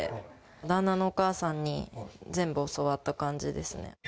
旦那のお母さんに全部教わった感じですね。